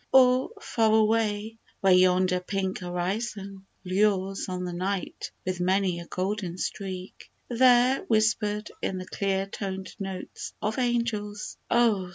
Or, far away, where yonder pink horizon Lures on the Night with many a golden streak, There, whisper'd in the clear toned notes of Angels, Oh